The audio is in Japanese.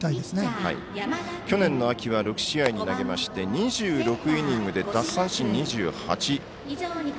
去年の秋は６試合に投げて２６イニングで奪三振２８。